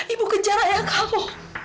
ibu kejar ayah kamu